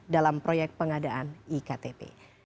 dalam proyek pengadaan iktp